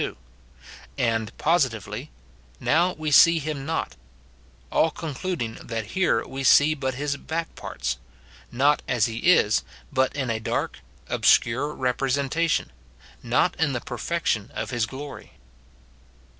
2; and positively, "Now we see him not;" — all concluding that here we see but his back parts ; not as he is, but in a dark, obscure representation ; not in the perfection of his glory.